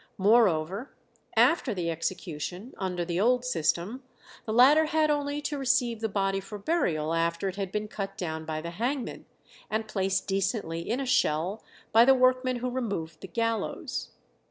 Moreover, after the execution, under the old system, the latter had only to receive the body for burial after it had been cut down by the hangman, and placed decently in a shell by the workmen who removed the gallows.